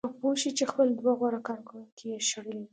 هغه به پوه شي چې خپل دوه غوره کارکوونکي یې شړلي